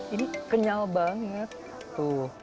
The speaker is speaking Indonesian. ini kenyal banget